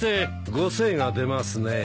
ご精が出ますね。